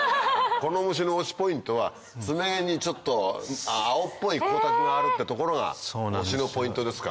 この虫の推しポイントは爪にちょっと青っぽい光沢があるってところが推しのポイントですか。